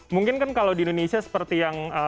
mungkin kan kalau di indonesia seperti yang